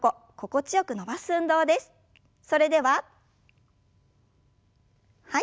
それでははい。